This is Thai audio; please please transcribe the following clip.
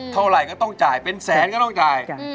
เท่าไหร่ก็ต้องจ่ายเป็นแสนก็ต้องจ่าย